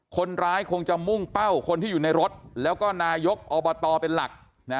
คนร้ายคงจะมุ่งเป้าคนที่อยู่ในรถแล้วก็นายกอบตเป็นหลัก